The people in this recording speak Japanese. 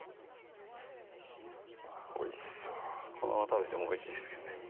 あぁおいしそうこのまま食べてもおいしいですけどね